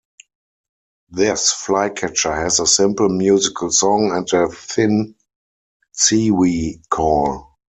This flycatcher has a simple musical song and a thin "tsee-whee" call.